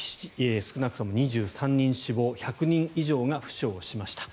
少なくとも２３人が死亡１００人以上が負傷しました。